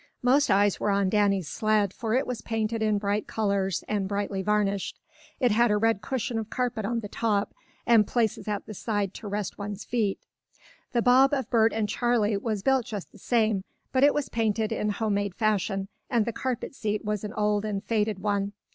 Most eyes were on Danny's sled, for it was painted in bright colors, and brightly varnished. It had a red cushion of carpet on the top, and places at the side to rest one's feet. The bob of Bert and Charley was built just the same, but it was painted in homemade fashion, and the carpet seat was an old and faded one.